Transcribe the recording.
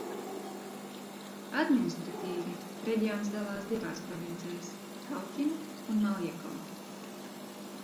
Administratīvi reģions dalās divās provincēs – Kautina un Maljeko.